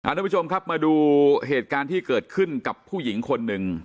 ทุกผู้ชมครับมาดูเหตุการณ์ที่เกิดขึ้นกับผู้หญิงคนหนึ่ง